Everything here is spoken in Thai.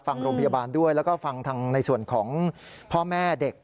ฟังโรงพยาบาลด้วยแล้วก็ฟังทางในส่วนของพ่อแม่เด็ก